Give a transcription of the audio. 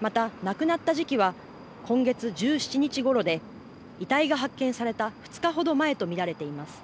また亡くなった時期は今月１７日ごろで遺体が発見された２日ほど前と見られています。